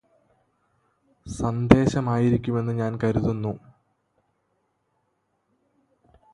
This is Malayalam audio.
സന്ദേശമായിരിക്കുമെന്ന് ഞാന് കരുതുന്നു